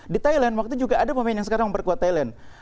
di thailand waktu juga ada pemain yang sekarang memperkuat thailand